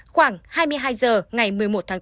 khoảng hai mươi hai h ngày một mươi một tháng bốn